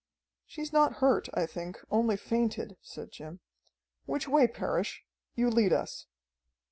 "She's not hurt, I think, only fainted," said Jim. "Which way, Parrish? You lead us."